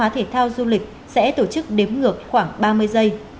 thể thao du lịch sẽ tổ chức đếm ngược khoảng ba mươi giây